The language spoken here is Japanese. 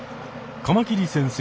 カマキリ先生